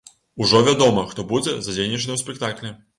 Ужо вядома, хто будзе задзейнічаны ў спектаклі.